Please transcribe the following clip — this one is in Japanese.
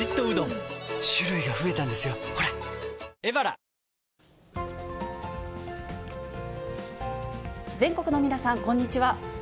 「ビオレ」全国の皆さん、こんにちは。